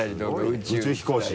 宇宙飛行士？